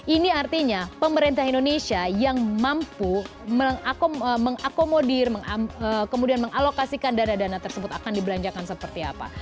ini artinya pemerintah indonesia yang mampu mengakomodir kemudian mengalokasikan dana dana tersebut akan dibelanjakan seperti apa